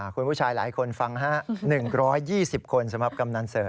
คุณผู้ชายหลายคนฟัง๑๒๐คนสำหรับกำนันเสิร์